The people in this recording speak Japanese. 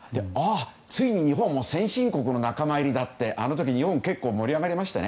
ついに日本も先進国の仲間入りだとあの時、日本は結構盛り上がりまして。